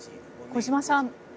小島さん